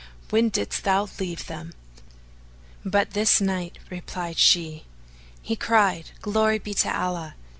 when didst thou leave them?" "But this night,"[FN#437] replied she. He cried, "Glory be to Allah!